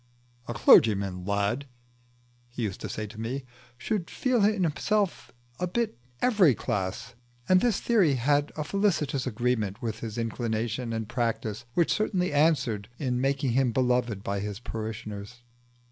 "A clergyman, lad," he used to say to me, "should feel in himself a bit of every class;" and this theory had a felicitous agreement with his inclination and practice, which certainly answered in making him beloved by his parishioners.